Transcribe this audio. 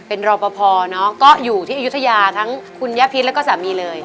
เป็นรอปภเนาะก็อยู่ที่อายุทยาทั้งคุณย่าพิษแล้วก็สามีเลย